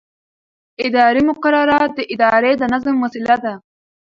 اداري مقررات د ادارې د نظم وسیله ده.